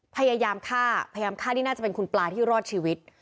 พยายามฆ่าน่าจะเป็นคุณปลาธิรอดชีวิต